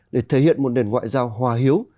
để thể hiện một nền ngoại giao hòa hiếu